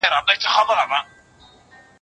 ما مخکي د سبا لپاره د هنرونو تمرين کړی وو؟!